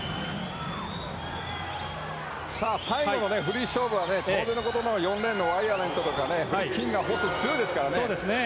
最後のフリー勝負は当然のことながら４レーンのワイヤントとかフリッキンガーが強いですからね。